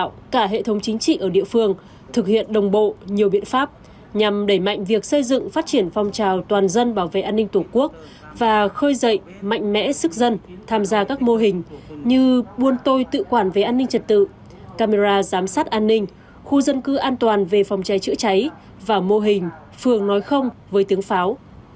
phường an lạc đã chỉ đạo cả hệ thống chính trị ở địa phương thực hiện đồng bộ nhiều biện pháp nhằm đẩy mạnh việc xây dựng phát triển phong trào toàn dân bảo vệ an ninh tổ quốc và khơi dậy mạnh mẽ sức dân tham gia các mô hình như buôn tôi tự quản về an ninh trật tự camera giám sát an ninh khu dân cư an toàn về phòng cháy chữa cháy và mô hình phường nói không với tiếng pháo